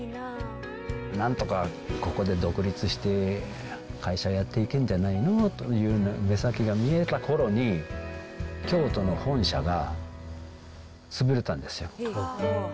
なんとかここで独立して、会社やっていけんじゃないのという目先が見えたころに、京都の本社が、潰れたんですよ。